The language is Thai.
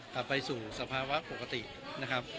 กลับไปสู่สภาวะปกตินะครับ